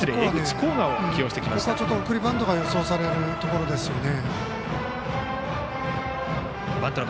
ここは送りバントが予想されるところですね。